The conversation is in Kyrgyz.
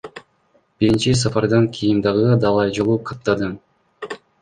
Биринчи сапардан кийин дагы далай жолу каттадым.